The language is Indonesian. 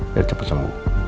biar cepat sembuh